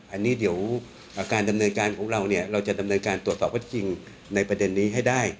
อันนี้เดี๋ยวการดำเนินการของเราเนี่ยเราจะดำเนินการตรวจสอบข้อจริงในประเด็นนี้ให้ได้